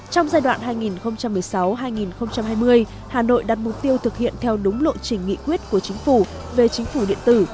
trong giai đoạn hai nghìn một mươi sáu hai nghìn hai mươi hà nội đặt mục tiêu thực hiện theo đúng lộ trình nghị quyết của chính phủ về chính phủ điện tử